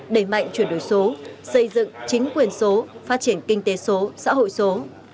đẩy mạnh chuyển đổi số xây dựng chính quyền số phát triển kinh tế số xã hội số